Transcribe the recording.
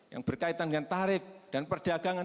yang berkaitan dengan tarif dan perdagangan